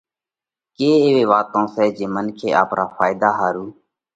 ڪي ايوي واتون سئہ جي منکي آپرا ڦائيۮا ۿارُو